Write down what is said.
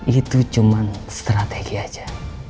itu cuman strategi aja